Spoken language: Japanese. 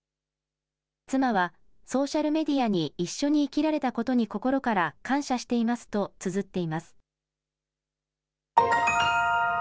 妻はソーシャルメディアに、一緒に生きられたことに心から感謝していますとつづっています。